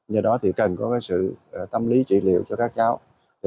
do đó thì cần có sự tâm lý trị liệu cho các cháu